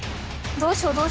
どうしよう？